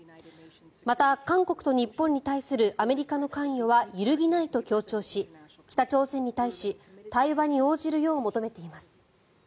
また、韓国と日本に対するアメリカの関与は揺るぎないと強調し北朝鮮に対し対話に応じるよう求めています。